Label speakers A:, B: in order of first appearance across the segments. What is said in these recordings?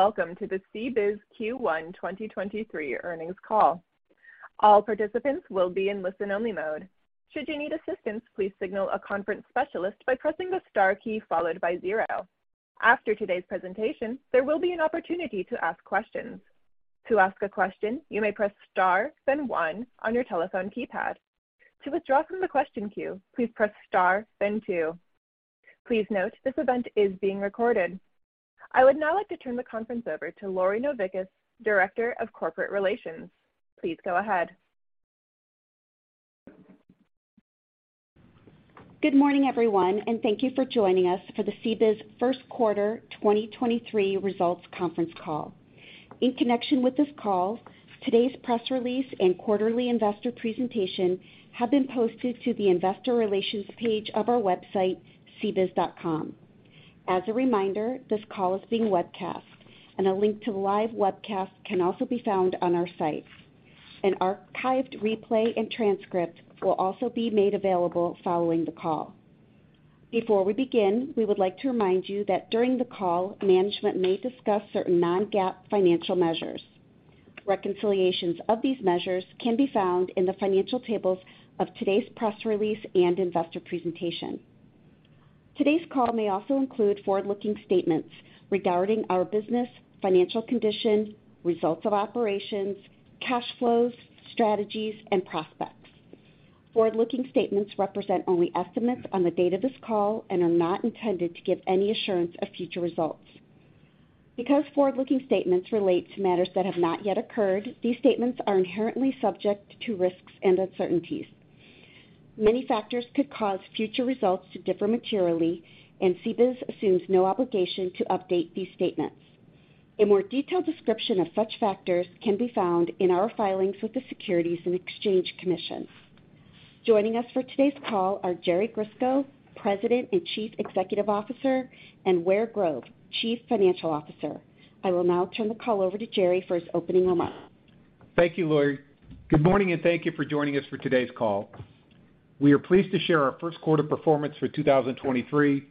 A: Hello, welcome to the CBIZ Q1 2023 Earnings Call. All participants will be in listen-only mode. Should you need assistance, please signal a conference specialist by pressing the star key followed by zero. After today's presentation, there will be an opportunity to ask questions. To ask a question, you may press star, then one on your telephone keypad. To withdraw from the question queue, please press star, then two. Please note, this event is being recorded. I would now like to turn the conference over to Lori Novickis, Director of Corporate Relations. Please go ahead.
B: Good morning, everyone, and thank you for joining us for the CBIZ First Quarter 2023 Results Conference Call. In connection with this call, today's press release and quarterly investor presentation have been posted to the investor relations page of our website, cbiz.com. As a reminder, this call is being webcast, and a link to the live webcast can also be found on our site. An archived replay and transcript will also be made available following the call. Before we begin, we would like to remind you that during the call, management may discuss certain non-GAAP financial measures. Reconciliations of these measures can be found in the financial tables of today's press release and investor presentation. Today's call may also include forward-looking statements regarding our business, financial condition, results of operations, cash flows, strategies, and prospects. Forward-looking statements represent only estimates on the date of this call and are not intended to give any assurance of future results. Because forward-looking statements relate to matters that have not yet occurred, these statements are inherently subject to risks and uncertainties. Many factors could cause future results to differ materially. CBIZ assumes no obligation to update these statements. A more detailed description of such factors can be found in our filings with the Securities and Exchange Commission. Joining us for today's call are Jerry Grisko, President and Chief Executive Officer, and Ware Grove, Chief Financial Officer. I will now turn the call over to Jerry for his opening remarks.
C: Thank you, Lori. Good morning, and thank you for joining us for today's call. We are pleased to share our first quarter performance for 2023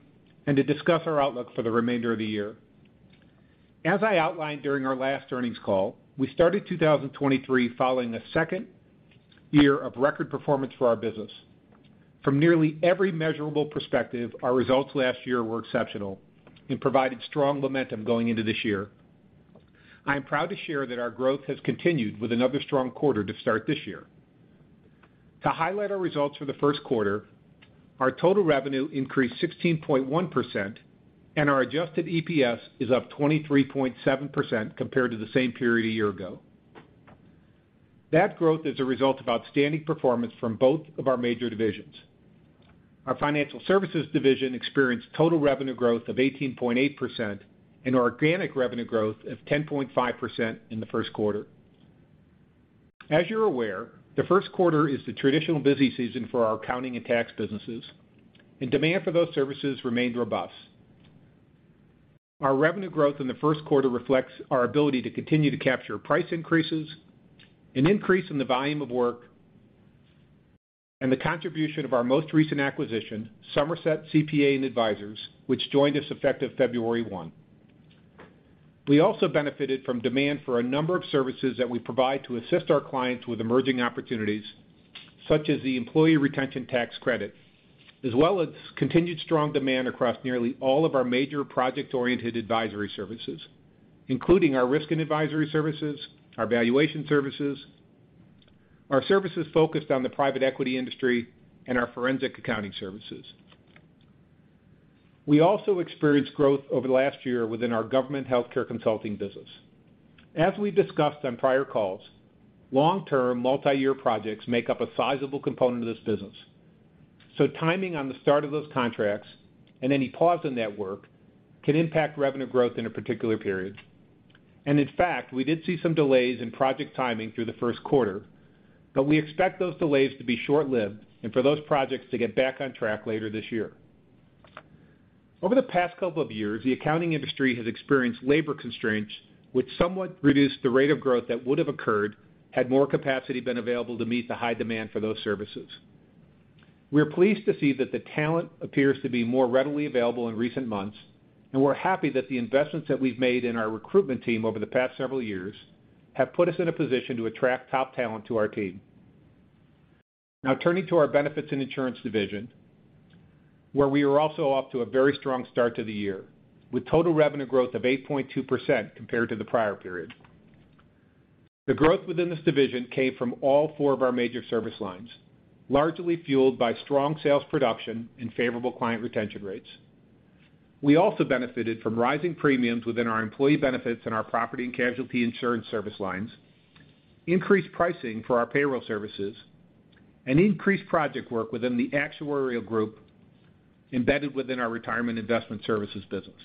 C: and to discuss our outlook for the remainder of the year. As I outlined during our last earnings call, we started 2023 following a second year of record performance for our business. From nearly every measurable perspective, our results last year were exceptional and provided strong momentum going into this year. I am proud to share that our growth has continued with another strong quarter to start this year. To highlight our results for the first quarter, our total revenue increased 16.1%. Our adjusted EPS is up 23.7% compared to the same period a year ago. That growth is a result of outstanding performance from both of our major divisions. Our financial services division experienced total revenue growth of 18.8% and organic revenue growth of 10.5% in the first quarter. As you're aware, the first quarter is the traditional busy season for our accounting and tax businesses, and demand for those services remained robust. Our revenue growth in the first quarter reflects our ability to continue to capture price increases, an increase in the volume of work, and the contribution of our most recent acquisition, Somerset CPAs and Advisors, which joined us effective February 1. We also benefited from demand for a number of services that we provide to assist our clients with emerging opportunities, such as the Employee Retention Tax Credit, as well as continued strong demand across nearly all of our major project-oriented advisory services, including our risk and advisory services, our valuation services, our services focused on the private equity industry, and our forensic accounting services. We also experienced growth over the last year within our government healthcare consulting business. As we discussed on prior calls, long-term multi-year projects make up a sizable component of this business. Timing on the start of those contracts and any pause in that work can impact revenue growth in a particular period. In fact, we did see some delays in project timing through the first quarter, but we expect those delays to be short-lived and for those projects to get back on track later this year. Over the past couple of years, the accounting industry has experienced labor constraints, which somewhat reduced the rate of growth that would have occurred had more capacity been available to meet the high demand for those services. We are pleased to see that the talent appears to be more readily available in recent months, and we're happy that the investments that we've made in our recruitment team over the past several years have put us in a position to attract top talent to our team. Now turning to our benefits and insurance division, where we are also off to a very strong start to the year, with total revenue growth of 8.2% compared to the prior period. The growth within this division came from all four of our major service lines, largely fueled by strong sales production and favorable client retention rates. We also benefited from rising premiums within our employee benefits and our property and casualty insurance service lines, increased pricing for our payroll services, and increased project work within the actuarial group embedded within our retirement investment services business.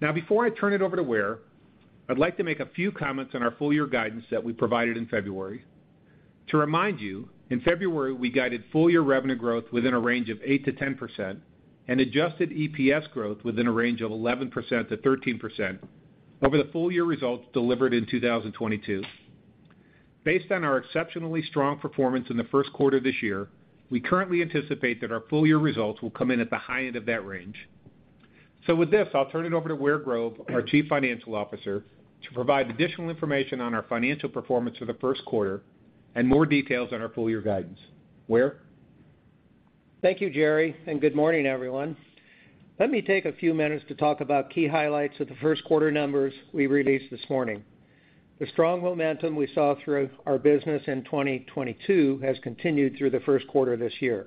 C: Now before I turn it over to Ware, I'd like to make a few comments on our full year guidance that we provided in February. To remind you, in February, we guided full year revenue growth within a range of 8%-10% and adjusted EPS growth within a range of 11%-13% over the full year results delivered in 2022. Based on our exceptionally strong performance in the first quarter this year, we currently anticipate that our full year results will come in at the high end of that range. With this, I'll turn it over to Ware Grove, our Chief Financial Officer, to provide additional information on our financial performance for the first quarter and more details on our full year guidance. Ware?
D: Thank you, Jerry. Good morning, everyone. Let me take a few minutes to talk about key highlights of the first quarter numbers we released this morning. The strong momentum we saw through our business in 2022 has continued through the first quarter this year.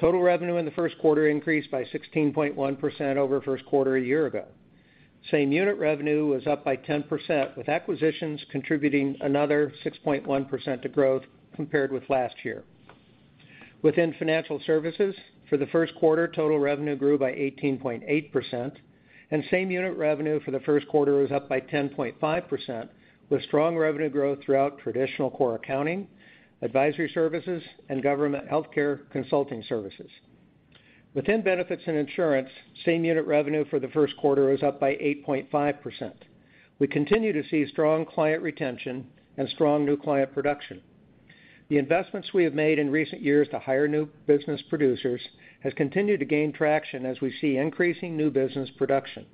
D: Total revenue in the first quarter increased by 16.1% over first quarter a year ago. Same unit revenue was up by 10%, with acquisitions contributing another 6.1% to growth compared with last year. Within Financial Services, for the first quarter, total revenue grew by 18.8%, and same unit revenue for the first quarter was up by 10.5%, with strong revenue growth throughout traditional core accounting, advisory services, and government healthcare consulting services. Within Benefits and Insurance, same unit revenue for the first quarter was up by 8.5%. We continue to see strong client retention and strong new client production. The investments we have made in recent years to hire new business producers has continued to gain traction as we see increasing new business production.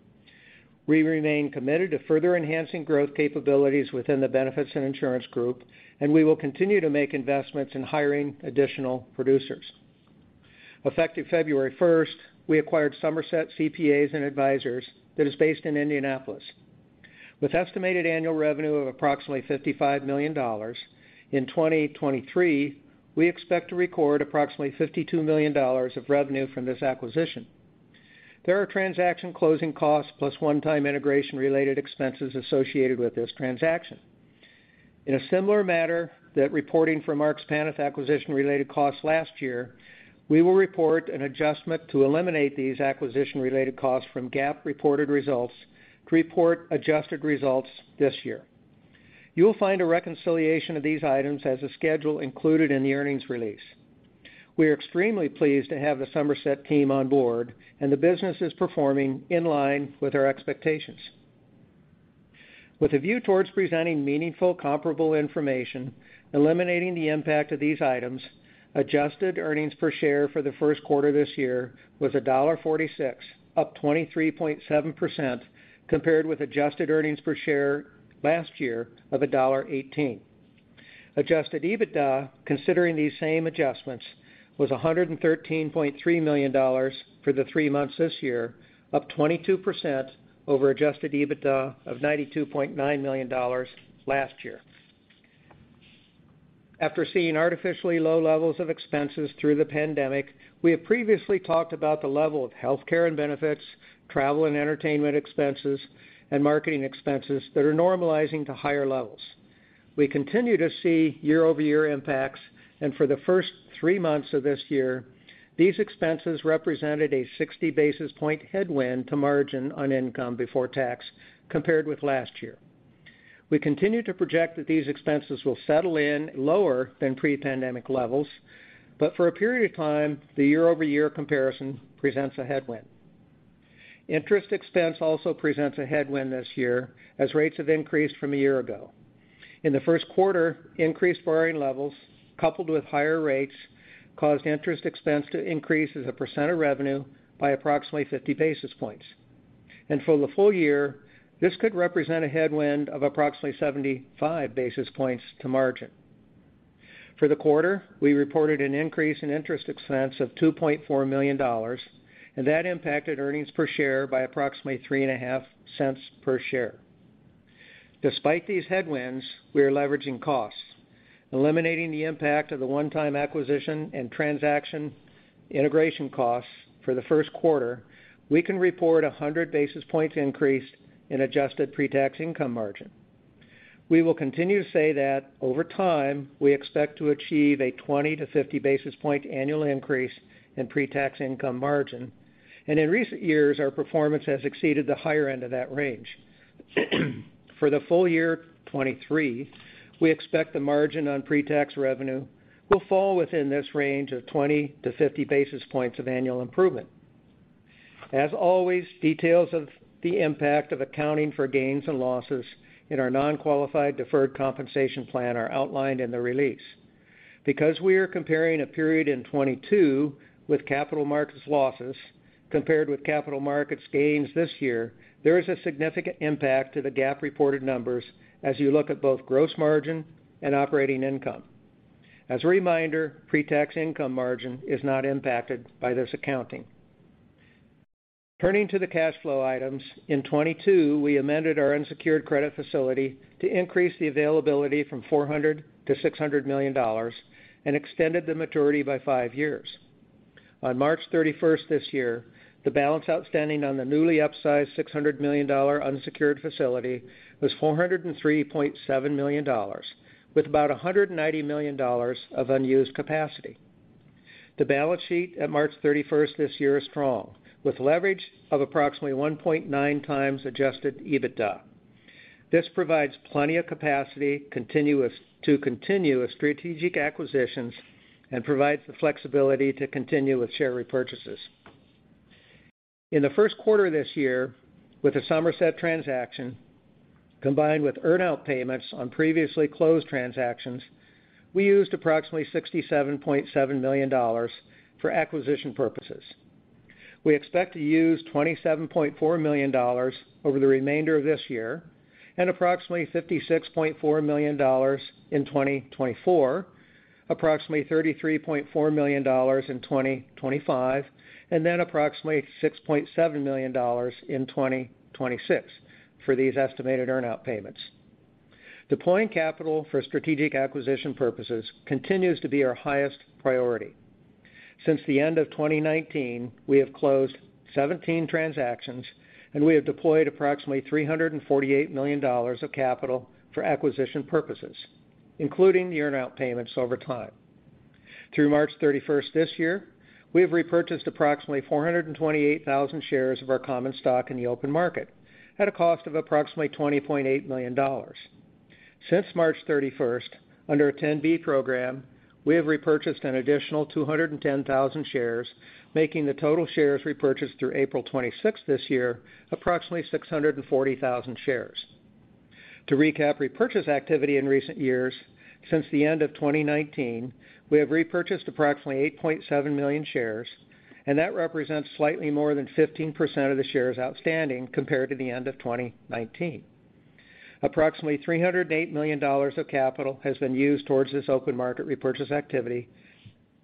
D: We remain committed to further enhancing growth capabilities within the Benefits and Insurance group, and we will continue to make investments in hiring additional producers. Effective February 1st, we acquired Somerset CPAs and Advisors that is based in Indianapolis. With estimated annual revenue of approximately $55 million, in 2023, we expect to record approximately $52 million of revenue from this acquisition. There are transaction closing costs plus one-time integration-related expenses associated with this transaction. In a similar manner that reporting for Marks Paneth acquisition-related costs last year, we will report an adjustment to eliminate these acquisition-related costs from GAAP-reported results to report adjusted results this year. You will find a reconciliation of these items as a schedule included in the earnings release. We are extremely pleased to have the Somerset team on board. The business is performing in line with our expectations. With a view towards presenting meaningful, comparable information, eliminating the impact of these items, adjusted EPS for the first quarter this year was $1.46, up 23.7% compared with adjusted EPS last year of $1.18. Adjusted EBITDA, considering these same adjustments, was $113.3 million for the three months this year, up 22% over adjusted EBITDA of $92.9 million last year. After seeing artificially low levels of expenses through the pandemic, we have previously talked about the level of healthcare and benefits, travel and entertainment expenses, and marketing expenses that are normalizing to higher levels. We continue to see year-over-year impacts, and for the first three months of this year, these expenses represented a 60 basis point headwind to margin on income before tax compared with last year. We continue to project that these expenses will settle in lower than pre-pandemic levels, but for a period of time, the year-over-year comparison presents a headwind. Interest expense also presents a headwind this year as rates have increased from a year ago. In the first quarter, increased borrowing levels coupled with higher rates caused interest expense to increase as a percent of revenue by approximately 50 basis points. For the full year, this could represent a headwind of approximately 75 basis points to margin. For the quarter, we reported an increase in interest expense of $2.4 million, That impacted earnings per share by approximately $0.035 per share. Despite these headwinds, we are leveraging costs. Eliminating the impact of the one-time acquisition and transaction integration costs for the 1st quarter, we can report a 100 basis points increase in adjusted pre-tax income margin. We will continue to say that over time, we expect to achieve a 20-50 basis point annual increase in pre-tax income margin. In recent years, our performance has exceeded the higher end of that range. For the full year 2023, we expect the margin on pre-tax revenue will fall within this range of 20-50 basis points of annual improvement. As always, details of the impact of accounting for gains and losses in our nonqualified deferred compensation plan are outlined in the release. Because we are comparing a period in 2022 with capital markets losses compared with capital markets gains this year, there is a significant impact to the GAAP reported numbers as you look at both gross margin and operating income. As a reminder, pre-tax income margin is not impacted by this accounting. Turning to the cash flow items, in 2022, we amended our unsecured credit facility to increase the availability from $400 million to $600 million and extended the maturity by five years. On March 31st this year, the balance outstanding on the newly upsized $600 million unsecured facility was $403.7 million, with about $190 million of unused capacity. The balance sheet at March 31st this year is strong, with leverage of approximately 1.9 times adjusted EBITDA. This provides plenty of capacity to continue with strategic acquisitions and provides the flexibility to continue with share repurchases. In the first quarter this year, with the Somerset transaction, combined with earn-out payments on previously closed transactions, we used approximately $67.7 million for acquisition purposes. We expect to use $27.4 million over the remainder of this year and approximately $56.4 million in 2024, approximately $33.4 million in 2025, and then approximately $6.7 million in 2026 for these estimated earn-out payments. Deploying capital for strategic acquisition purposes continues to be our highest priority. Since the end of 2019, we have closed 17 transactions. We have deployed approximately $348 million of capital for acquisition purposes, including the earn-out payments over time. Through March 31st this year, we have repurchased approximately 428,000 shares of our common stock in the open market at a cost of approximately $20.8 million. Since March 31st, under a 10b program, we have repurchased an additional 210,000 shares, making the total shares repurchased through April 26th this year approximately 640,000 shares. To recap repurchase activity in recent years, since the end of 2019, we have repurchased approximately 8.7 million shares. That represents slightly more than 15% of the shares outstanding compared to the end of 2019. Approximately $308 million of capital has been used towards this open market repurchase activity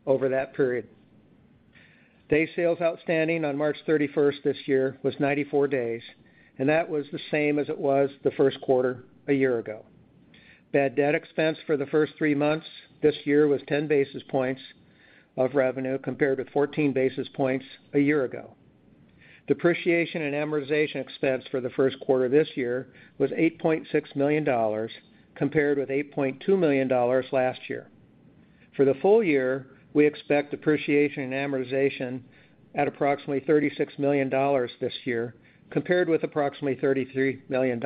D: over that period. Day sales outstanding on March 31st this year was 94 days. That was the same as it was the first quarter a year ago. Bad debt expense for the first three months this year was 10 basis points of revenue compared to 14 basis points a year ago. Depreciation and amortization expense for the first quarter this year was $8.6 million, compared with $8.2 million last year. For the full year, we expect depreciation and amortization at approximately $36 million this year, compared with approximately $33 million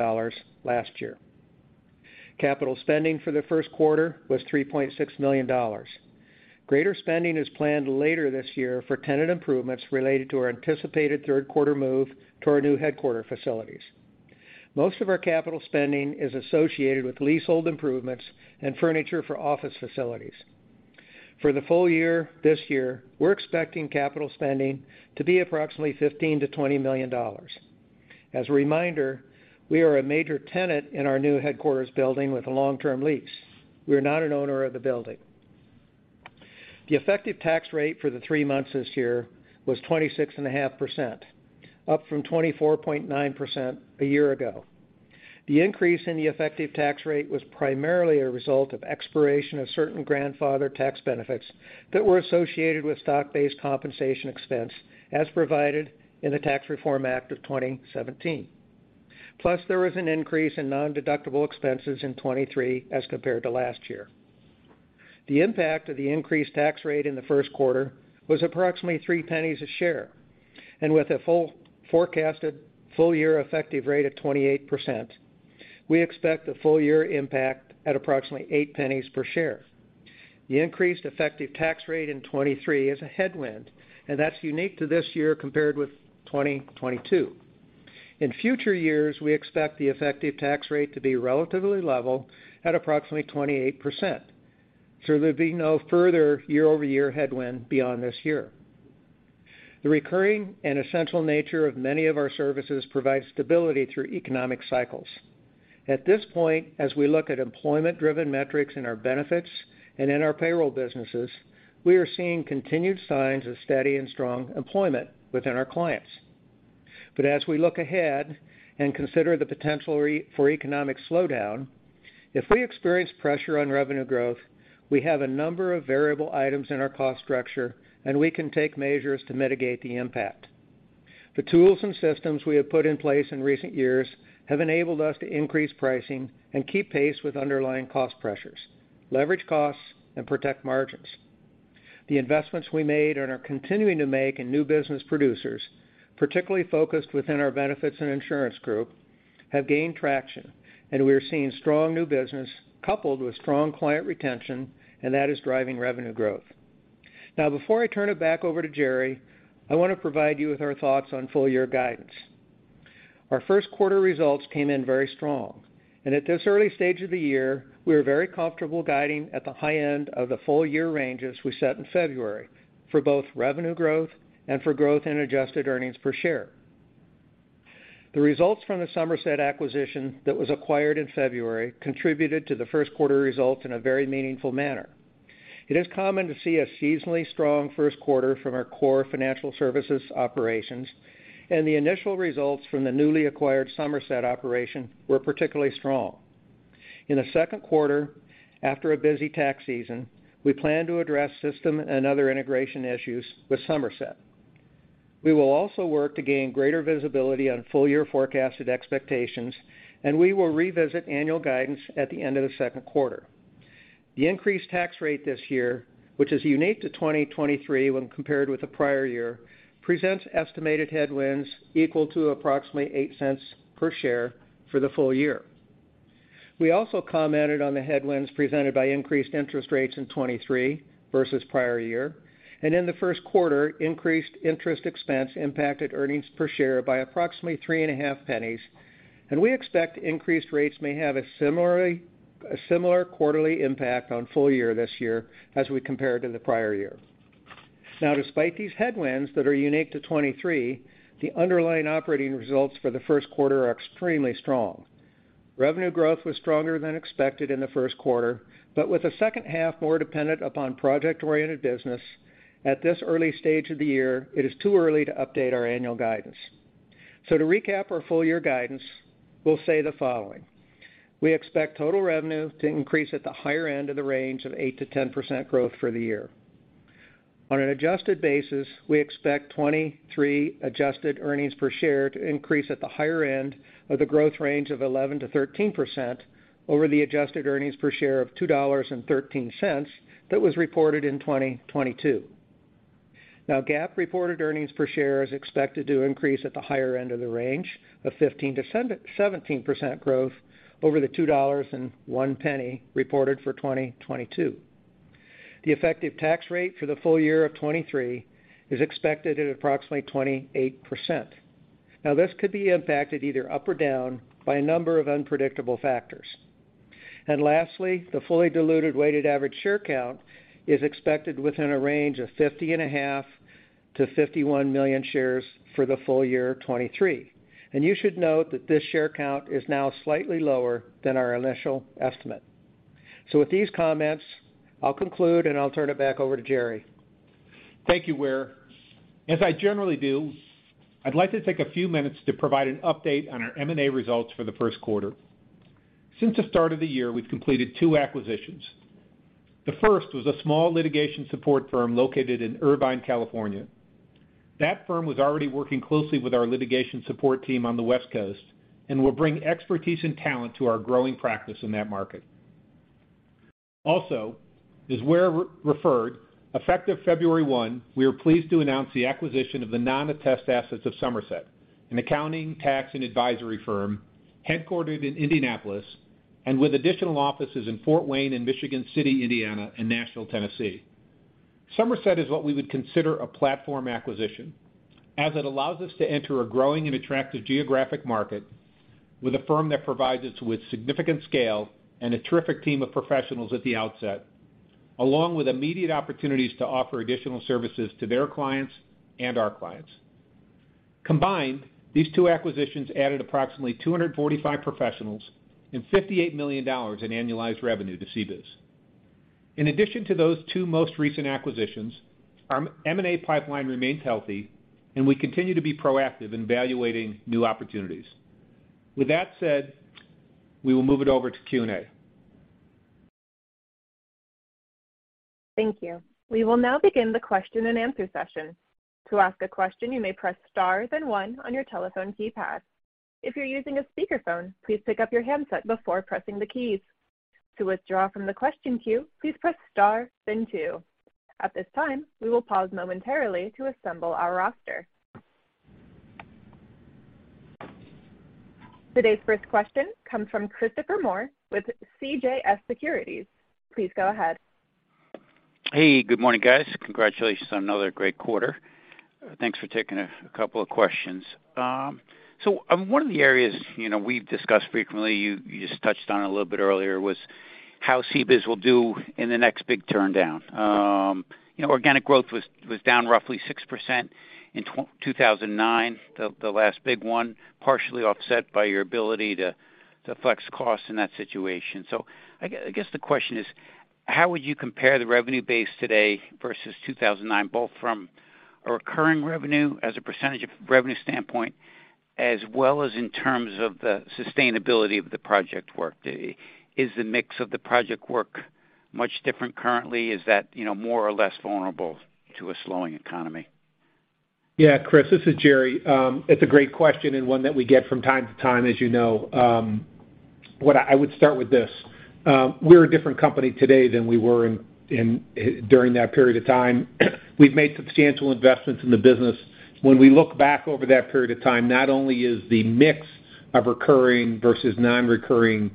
D: last year. Capital spending for the first quarter was $3.6 million. Greater spending is planned later this year for tenant improvements related to our anticipated third quarter move to our new headquarter facilities. Most of our capital spending is associated with leasehold improvements and furniture for office facilities. For the full year this year, we're expecting capital spending to be approximately $15 million-$20 million. As a reminder, we are a major tenant in our new headquarters building with a long-term lease. We are not an owner of the building. The effective tax rate for the three months this year was 26.5%, up from 24.9% a year ago. The increase in the effective tax rate was primarily a result of expiration of certain grandfathered tax benefits that were associated with stock-based compensation expense, as provided in the Tax Reform Act of 2017. There was an increase in nondeductible expenses in 2023 as compared to last year. The impact of the increased tax rate in the first quarter was approximately $0.03 a share. With a forecasted full-year effective rate of 28%, we expect a full-year impact at approximately $0.08 per share. The increased effective tax rate in 2023 is a headwind, and that's unique to this year compared with 2022. In future years, we expect the effective tax rate to be relatively level at approximately 28%. There'll be no further year-over-year headwind beyond this year. The recurring and essential nature of many of our services provides stability through economic cycles. At this point, as we look at employment-driven metrics in our benefits and in our payroll businesses, we are seeing continued signs of steady and strong employment within our clients. As we look ahead and consider the potential for economic slowdown, if we experience pressure on revenue growth, we have a number of variable items in our cost structure, and we can take measures to mitigate the impact. The tools and systems we have put in place in recent years have enabled us to increase pricing and keep pace with underlying cost pressures, leverage costs, and protect margins. The investments we made and are continuing to make in new business producers, particularly focused within our benefits and insurance group, have gained traction, and we are seeing strong new business coupled with strong client retention, and that is driving revenue growth. Before I turn it back over to Jerry, I want to provide you with our thoughts on full-year guidance. Our first quarter results came in very strong, and at this early stage of the year, we are very comfortable guiding at the high end of the full-year ranges we set in February for both revenue growth and for growth in adjusted earnings per share. The results from the Somerset acquisition that was acquired in February contributed to the first quarter results in a very meaningful manner. It is common to see a seasonally strong first quarter from our core financial services operations, and the initial results from the newly acquired Somerset operation were particularly strong. In the second quarter, after a busy tax season, we plan to address system and other integration issues with Somerset. We will also work to gain greater visibility on full-year forecasted expectations, and we will revisit annual guidance at the end of the second quarter. The increased tax rate this year, which is unique to 2023 when compared with the prior year, presents estimated headwinds equal to approximately $0.08 per share for the full year. We also commented on the headwinds presented by increased interest rates in 2023 versus prior year. In the first quarter, increased interest expense impacted earnings per share by approximately three and a half pennies. We expect increased rates may have a similar quarterly impact on full year this year as we compare to the prior year. Despite these headwinds that are unique to 2023, the underlying operating results for the first quarter are extremely strong. Revenue growth was stronger than expected in the first quarter, with the second half more dependent upon project-oriented business. At this early stage of the year, it is too early to update our annual guidance. To recap our full year guidance, we'll say the following. We expect total revenue to increase at the higher end of the range of 8%-10% growth for the year. On an adjusted basis, we expect 2023 adjusted earnings per share to increase at the higher end of the growth range of 11%-13% over the adjusted earnings per share of $2.13 that was reported in 2022. GAAP reported earnings per share is expected to increase at the higher end of the range of 15%-17% growth over the $2.01 reported for 2022. The effective tax rate for the full year of 2023 is expected at approximately 28%. This could be impacted either up or down by a number of unpredictable factors. Lastly, the fully diluted weighted average share count is expected within a range of 50.5-51 million shares for the full year of 2023. You should note that this share count is now slightly lower than our initial estimate. With these comments, I'll conclude, and I'll turn it back over to Jerry.
C: Thank you, Ware. As I generally do, I'd like to take a few minutes to provide an update on our M&A results for the first quarter. Since the start of the year, we've completed two acquisitions. The first was a small litigation support firm located in Irvine, California. That firm was already working closely with our litigation support team on the West Coast and will bring expertise and talent to our growing practice in that market. Also, as Ware re-referred, effective February 1, we are pleased to announce the acquisition of the non-attest assets of Somerset, an accounting, tax, and advisory firm headquartered in Indianapolis and with additional offices in Fort Wayne and Michigan City, Indiana, and Nashville, Tennessee. Somerset is what we would consider a platform acquisition, as it allows us to enter a growing and attractive geographic market with a firm that provides us with significant scale and a terrific team of professionals at the outset, along with immediate opportunities to offer additional services to their clients and our clients. Combined, these two acquisitions added approximately 245 professionals and $58 million in annualized revenue to CBIZ. In addition to those two most recent acquisitions, our M&A pipeline remains healthy, and we continue to be proactive in evaluating new opportunities. With that said, we will move it over to Q&A.
A: Thank you. We will now begin the question and answer session. To ask a question, you may press star then one on your telephone keypad. If you're using a speakerphone, please pick up your handset before pressing the keys. To withdraw from the question queue, please press star then two. At this time, we will pause momentarily to assemble our roster. Today's first question comes from Christopher Moore with CJS Securities. Please go ahead.
E: Hey, good morning, guys. Congratulations on another great quarter. Thanks for taking a couple of questions. One of the areas, you know, we've discussed frequently, you just touched on a little bit earlier was how CBIZ will do in the next big turndown. You know, organic growth was down roughly 6% in 2009, the last big one, partially offset by your ability to flex costs in that situation. I guess the question is, how would you compare the revenue base today versus 2009, both from a recurring revenue as a % of revenue standpoint, as well as in terms of the sustainability of the project work? Is the mix of the project work much different currently? Is that, you know, more or less vulnerable to a slowing economy?
C: Yeah, Chris, this is Jerry. It's a great question and one that we get from time to time, as you know. What I would start with this. We're a different company today than we were in during that period of time. We've made substantial investments in the business. When we look back over that period of time, not only is the mix of recurring versus non-recurring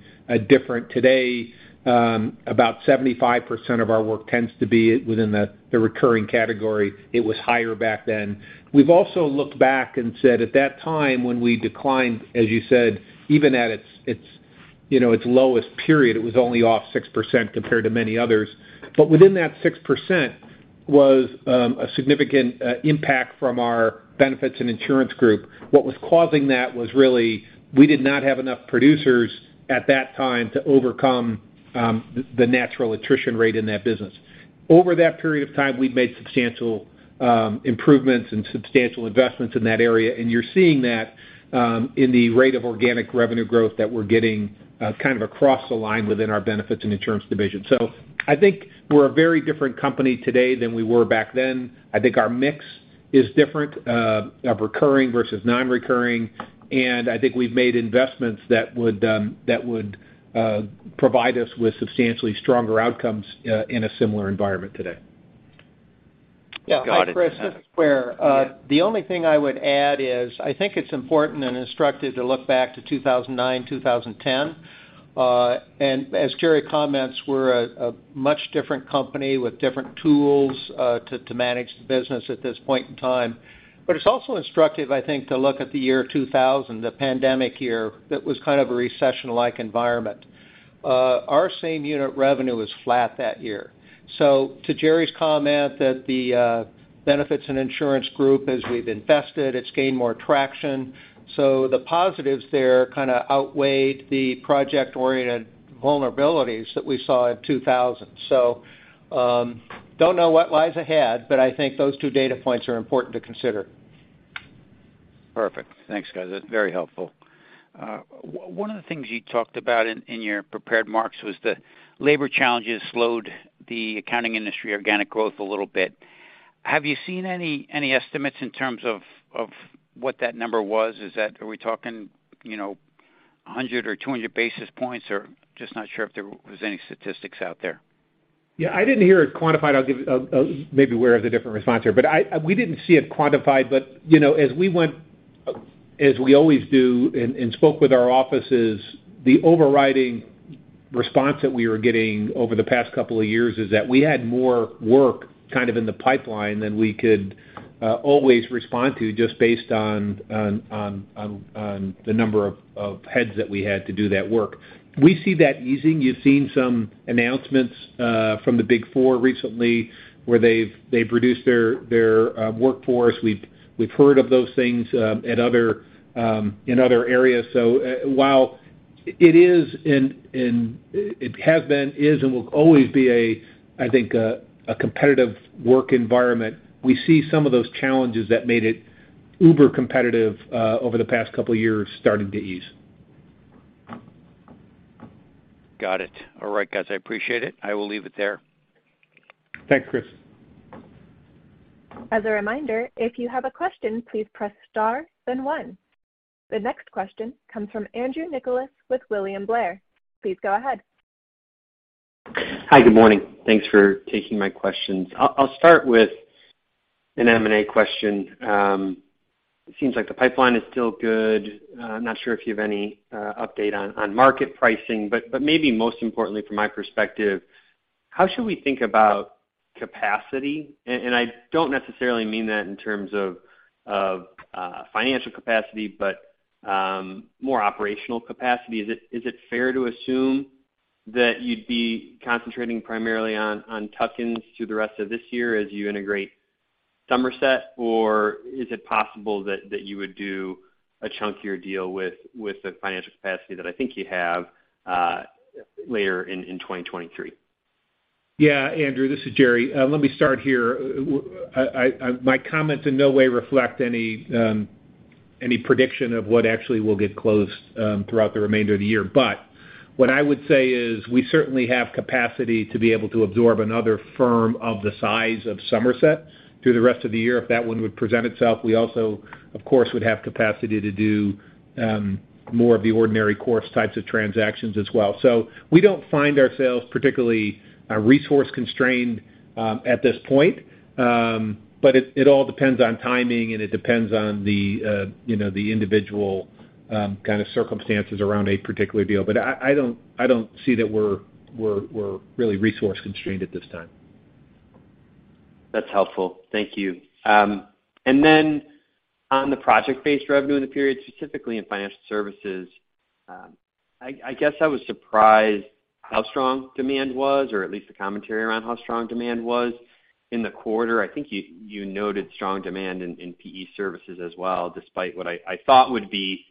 C: different today, about 75% of our work tends to be within the recurring category. It was higher back then. We've also looked back and said at that time when we declined, as you said, even at its, you know, its lowest period, it was only off 6% compared to many others. Within that 6% was a significant impact from our Benefits and Insurance Group. What was causing that was really we did not have enough producers at that time to overcome the natural attrition rate in that business. Over that period of time, we've made substantial improvements and substantial investments in that area, and you're seeing that in the rate of organic revenue growth that we're getting kind of across the line within our Benefits and Insurance Division. I think we're a very different company today than we were back then. I think our mix is different of recurring versus non-recurring, and I think we've made investments that would that would provide us with substantially stronger outcomes in a similar environment today.
D: Yeah. Hi, Chris, this is Ware. The only thing I would add is I think it's important and instructive to look back to 2009, 2010. As Jerry comments, we're a much different company with different tools to manage the business at this point in time. It's also instructive, I think, to look at the year 2000, the pandemic year, that was kind of a recession-like environment. Our same-unit revenue was flat that year. To Jerry's comment that the benefits and insurance group, as we've invested, it's gained more traction. The positives there kinda outweighed the project-oriented vulnerabilities that we saw in 2000. Don't know what lies ahead, I think those two data points are important to consider.
E: Perfect. Thanks, guys. That's very helpful. One of the things you talked about in your prepared marks was the labor challenges slowed the accounting industry organic growth a little bit. Have you seen any estimates in terms of what that number was? Are we talking, you know, 100 or 200 basis points, or just not sure if there was any statistics out there?
C: I didn't hear it quantified. Maybe Ware has a different response here. We didn't see it quantified, but, you know, as we went, as we always do and spoke with our offices, the overriding response that we were getting over the past couple of years is that we had more work kind of in the pipeline than we could always respond to just based on the number of heads that we had to do that work. We see that easing. You've seen some announcements from the Big Four recently, where they've reduced their workforce. We've heard of those things at other in other areas. While it is and it has been, is, and will always be I think, a competitive work environment, we see some of those challenges that made it uber competitive, over the past couple of years starting to ease.
E: Got it. All right, guys. I appreciate it. I will leave it there.
C: Thanks, Chris.
A: As a reminder, if you have a question, please press star then one. The next question comes from Andrew Nicholas with William Blair. Please go ahead.
F: Hi. Good morning. Thanks for taking my questions. I'll start with an M&A question. It seems like the pipeline is still good. Not sure if you have any update on market pricing, but maybe most importantly from my perspective, how should we think about capacity? I don't necessarily mean that in terms of financial capacity, but more operational capacity. Is it fair to assume that you'd be concentrating primarily on tuck-ins through the rest of this year as you integrate Somerset? Or is it possible that you would do a chunkier deal with the financial capacity that I think you have later in 2023?
C: Andrew, this is Jerry. Let me start here. My comments in no way reflect any prediction of what actually will get closed throughout the remainder of the year. But what I would say is we certainly have capacity to be able to absorb another firm of the size of Somerset through the rest of the year if that one would present itself. We also, of course, would have capacity to do more of the ordinary course types of transactions as well. So we don't find ourselves particularly resource constrained at this point. But it all depends on timing, and it depends on the, you know, the individual kind of circumstances around a particular deal. But I don't, I don't see that we're really resource constrained at this time.
F: That's helpful. Thank you. On the project-based revenue in the period, specifically in financial services, I guess I was surprised how strong demand was, or at least the commentary around how strong demand was in the quarter. I think you noted strong demand in PE services as well, despite what I thought would be,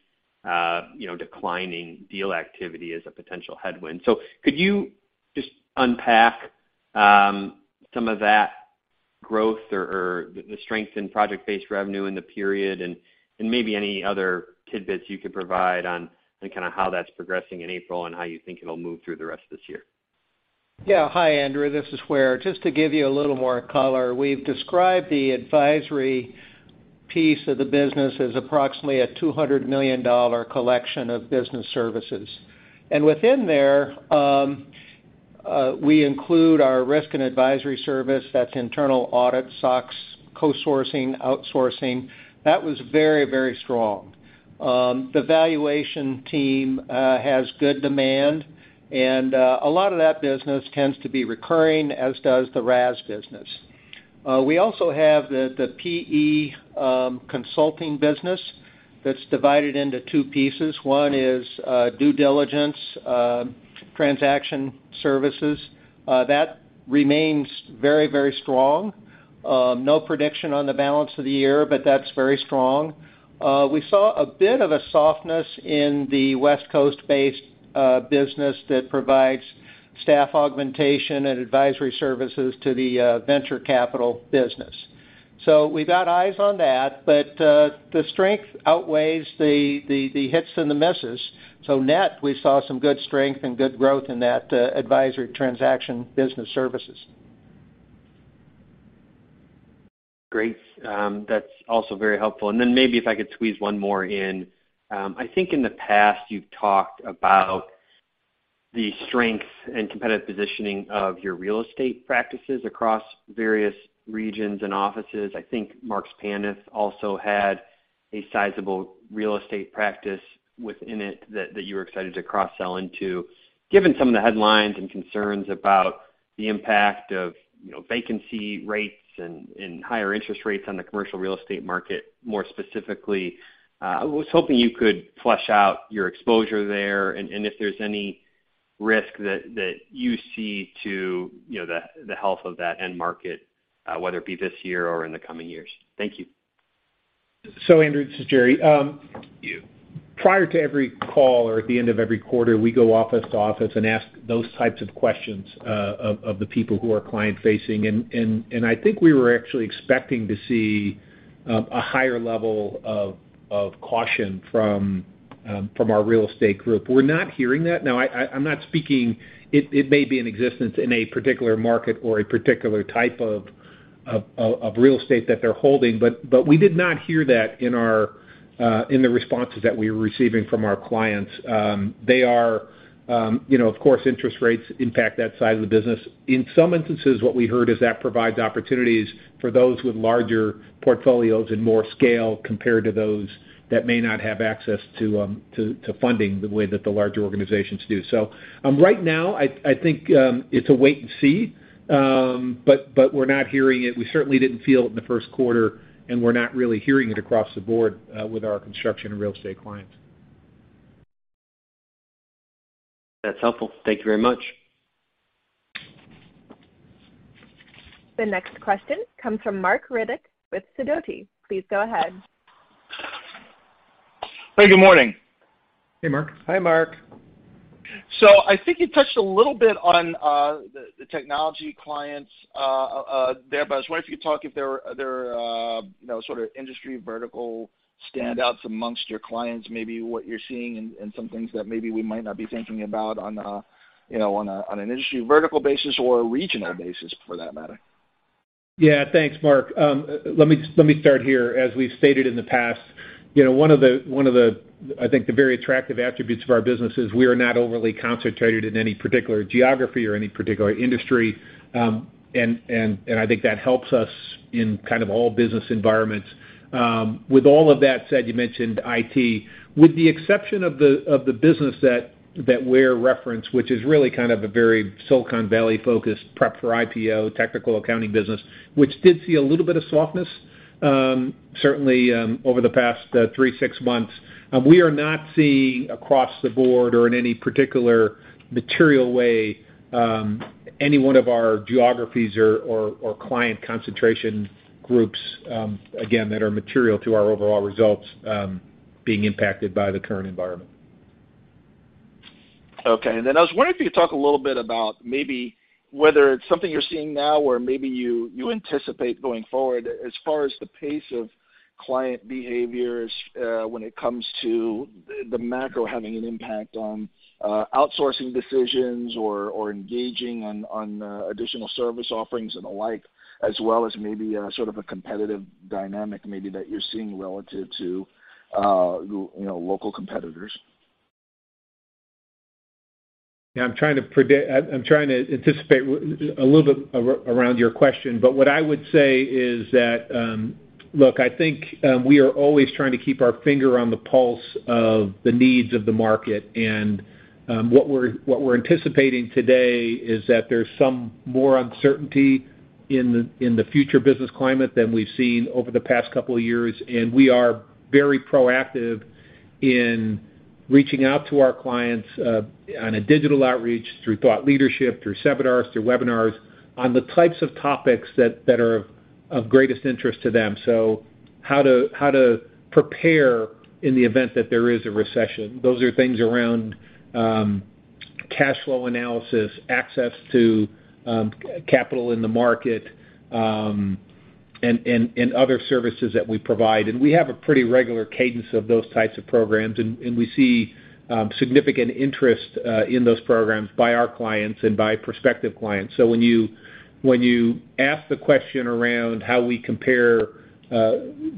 F: you know, declining deal activity as a potential headwind. Could you just unpack some of that growth or the strength in project-based revenue in the period and maybe any other tidbits you could provide on kind of how that's progressing in April and how you think it'll move through the rest of this year?
D: Hi, Andrew. This is Ware. Just to give you a little more color, we've described the advisory piece of the business as approximately a $200 million collection of business services. Within there, we include our risk and advisory service. That's internal audit, SOX, co-sourcing, outsourcing. That was very, very strong. The valuation team has good demand, and a lot of that business tends to be recurring, as does the RAS business. We also have the PE consulting business that's divided into two pieces. One is due diligence, transaction services. That remains very, very strong. No prediction on the balance of the year, that's very strong. We saw a bit of a softness in the West Coast-based business that provides staff augmentation and advisory services to the venture capital business. We've got eyes on that, but the strength outweighs the hits and the misses. Net, we saw some good strength and good growth in that advisory transaction business services.
F: Great. That's also very helpful. Then maybe if I could squeeze one more in. I think in the past you've talked about the strength and competitive positioning of your real estate practices across various regions and offices. I think Marks Paneth also had a sizable real estate practice within it that you were excited to cross-sell into. Given some of the headlines and concerns about the impact of, you know, vacancy rates and higher interest rates on the commercial real estate market, more specifically, I was hoping you could flesh out your exposure there and if there's any risk that you see to, you know, the health of that end market, whether it be this year or in the coming years. Thank you.
C: Andrew, this is Jerry.
F: Thank you....
C: prior to every call or at the end of every quarter, we go office to office and ask those types of questions, of the people who are client-facing. I think we were actually expecting to see a higher level of caution from our real estate group. We're not hearing that. Now I'm not speaking. It may be in existence in a particular market or a particular type of real estate that they're holding, but we did not hear that in our in the responses that we were receiving from our clients. They are... You know, of course, interest rates impact that side of the business. In some instances, what we heard is that provides opportunities for those with larger portfolios and more scale compared to those that may not have access to funding the way that the larger organizations do. Right now, I think it's a wait and see. We're not hearing it. We certainly didn't feel it in the first quarter, and we're not really hearing it across the board with our construction and real estate clients.
F: That's helpful. Thank you very much.
A: The next question comes from Marc Riddick with Sidoti. Please go ahead.
G: Hey, good morning.
C: Hey, Marc.
D: Hi, Marc.
G: I think you touched a little bit on the technology clients there, but I was wondering if you could talk if there are, you know, sort of industry vertical standouts amongst your clients, maybe what you're seeing and some things that maybe we might not be thinking about on, you know, on an industry vertical basis or a regional basis for that matter.
C: Yeah, thanks, Marc. let me start here. As we've stated in the past, you know, one of the, I think the very attractive attributes of our business is we are not overly concentrated in any particular geography or any particular industry. I think that helps us in kind of all business environments. With all of that said, you mentioned IT. With the exception of the business that Ware referenced, which is really kind of a very Silicon Valley focused prep for IPO technical accounting business, which did see a little bit of softness, certainly over the past three, six months, we are not seeing across the board or in any particular material way, any one of our geographies or client concentration groups, again, that are material to our overall results, being impacted by the current environment.
G: Okay. I was wondering if you could talk a little bit about maybe whether it's something you're seeing now or maybe you anticipate going forward as far as the pace of client behaviors when it comes to the macro having an impact on outsourcing decisions or engaging on additional service offerings and the like, as well as maybe sort of a competitive dynamic maybe that you're seeing relative to you know local competitors.
C: Yeah, I'm trying to anticipate a little bit around your question. What I would say is that, look, I think, we are always trying to keep our finger on the pulse of the needs of the market. What we're anticipating today is that there's some more uncertainty in the future business climate than we've seen over the past two years. We are very proactive in reaching out to our clients on a digital outreach through thought leadership, through seminars, through webinars, on the types of topics that are of greatest interest to them. How to prepare in the event that there is a recession. Those are things around cash flow analysis, access to capital in the market, and other services that we provide. We have a pretty regular cadence of those types of programs, and we see significant interest in those programs by our clients and by prospective clients. When you ask the question around how we compare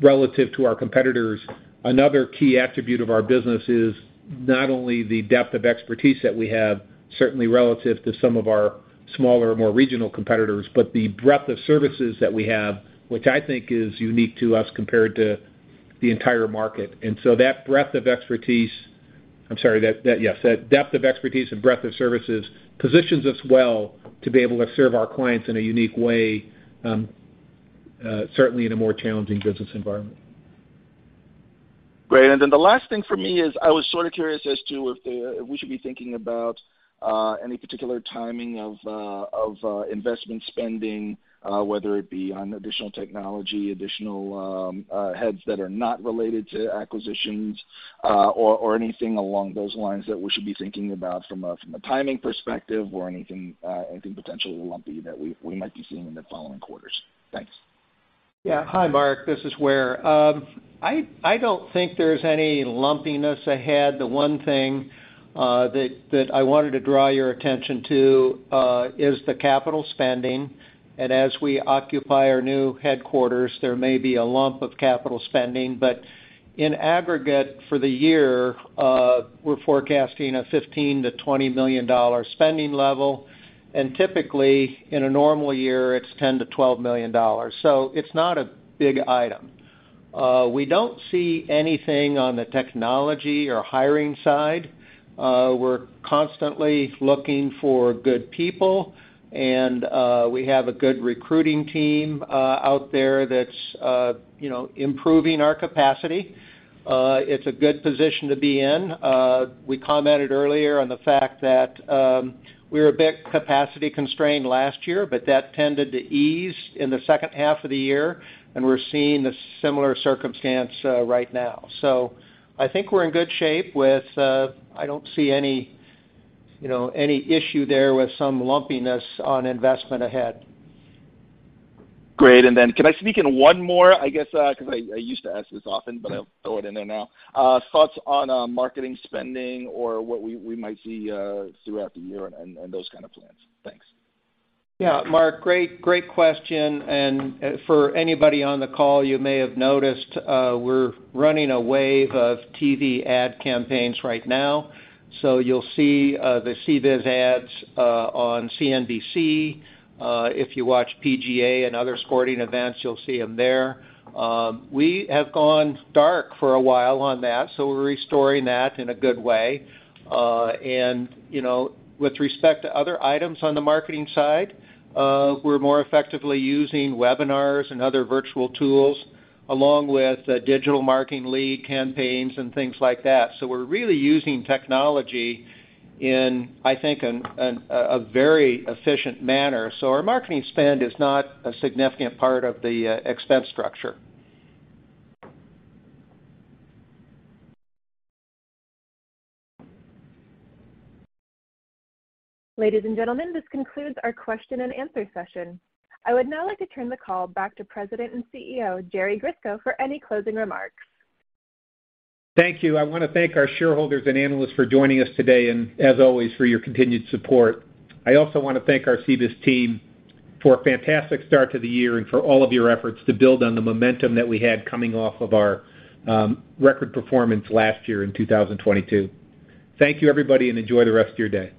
C: relative to our competitors, another key attribute of our business is not only the depth of expertise that we have, certainly relative to some of our smaller, more regional competitors, but the breadth of services that we have, which I think is unique to us compared to the entire market. That breadth of expertise. I'm sorry, that, yes. That depth of expertise and breadth of services positions us well to be able to serve our clients in a unique way, certainly in a more challenging business environment.
G: Great. The last thing for me is I was sort of curious as to if we should be thinking about any particular timing of investment spending, whether it be on additional technology, additional heads that are not related to acquisitions, or anything along those lines that we should be thinking about from a timing perspective or anything potentially lumpy that we might be seeing in the following quarters. Thanks.
D: Yeah. Hi, Marc, this is Ware. I don't think there's any lumpiness ahead. The one thing that I wanted to draw your attention to is the capital spending. As we occupy our new headquarters, there may be a lump of capital spending. In aggregate for the year, we're forecasting a $15 million-$20 million spending level. Typically, in a normal year, it's $10 million-$12 million. It's not a big item. We don't see anything on the technology or hiring side. We're constantly looking for good people, and we have a good recruiting team out there that's, you know, improving our capacity. It's a good position to be in. We commented earlier on the fact that we were a bit capacity-constrained last year, but that tended to ease in the second half of the year, and we're seeing a similar circumstance right now. I think we're in good shape with, I don't see any, you know, any issue there with some lumpiness on investment ahead.
G: Great. Then can I sneak in one more? I guess, 'cause I used to ask this often, but I'll throw it in there now. Thoughts on marketing spending or what we might see throughout the year and those kind of plans. Thanks.
D: Marc, great question. For anybody on the call, you may have noticed, we're running a wave of TV ad campaigns right now. You'll see the CBIZ ads on CNBC. If you watch PGA and other sporting events, you'll see them there. We have gone dark for a while on that, so we're restoring that in a good way. You know, with respect to other items on the marketing side, we're more effectively using webinars and other virtual tools, along with digital marketing lead campaigns and things like that. We're really using technology in, I think, a very efficient manner. Our marketing spend is not a significant part of the expense structure.
A: Ladies and gentlemen, this concludes our question and answer session. I would now like to turn the call back to President and CEO, Jerry Grisko, for any closing remarks.
C: Thank you. I wanna thank our shareholders and analysts for joining us today, and as always, for your continued support. I also wanna thank our CBIZ team for a fantastic start to the year and for all of your efforts to build on the momentum that we had coming off of our record performance last year in 2022. Thank you, everybody, and enjoy the rest of your day.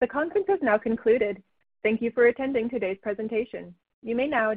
A: The conference has now concluded. Thank you for attending today's presentation. You may now disconnect.